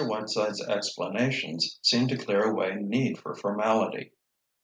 Whiteside's explanations seemed to clear away need for formality.